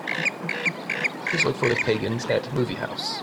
Please look for The Pagans at movie house.